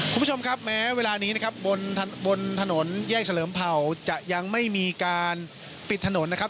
คุณผู้ชมครับแม้เวลานี้นะครับบนถนนแยกเฉลิมเผ่าจะยังไม่มีการปิดถนนนะครับ